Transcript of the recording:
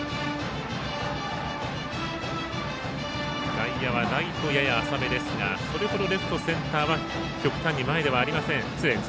外野はライトやや浅めですがそれほどレフト、センターは極端に前ではありません。